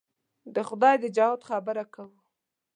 د خدای د جهاد خبره کوو.